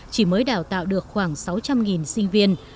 chỉ mới đào tạo được khoảng sáu trăm linh sinh viên